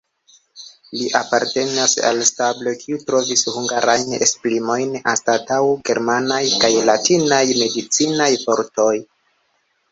Li apartenis al stabo, kiu trovis hungarajn esprimojn anstataŭ germanaj kaj latinaj medicinaj vortoj.